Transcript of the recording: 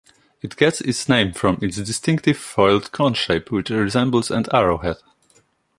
It gets its name from its distinctive foiled cone shape which resembles an arrowhead.